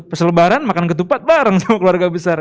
peselebaran makan ketupat bareng sama keluarga besar